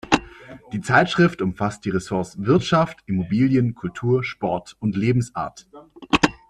Die Zeitschrift umfasst die Ressorts Wirtschaft, Immobilien, Kultur, Sport und Lebensart.